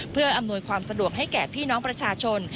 เพื่ออำนวยความสะดวกให้แก่พี่น้องประชาชน